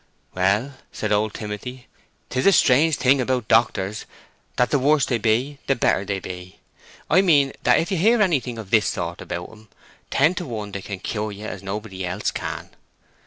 "Well," said old Timothy, "'tis a strange thing about doctors that the worse they be the better they be. I mean that if you hear anything of this sort about 'em, ten to one they can cure ye as nobody else can."